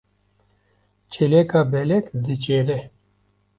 Çêleka belek diçêre.